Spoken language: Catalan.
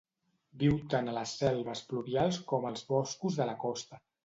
Viu tant a les selves pluvials com als boscos de la costa.